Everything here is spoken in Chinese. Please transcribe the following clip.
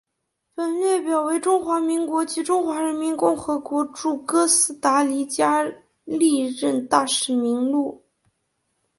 本列表为中华民国及中华人民共和国驻哥斯达黎加历任大使名录。